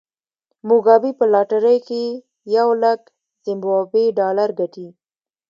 موګابي په لاټرۍ کې یو لک زیمبابويي ډالر ګټي.